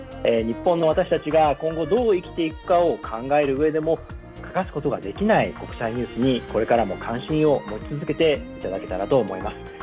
日本の私たちが今後どう生きていくかを考えるうえでも欠かすことができない国際ニュースに、これからも関心を持ち続けていただけたらと思います。